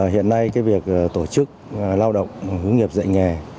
hiện nay việc tổ chức lao động hướng nghiệp dạy nghề